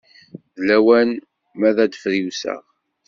D lawan ma ad d-friwseḍ.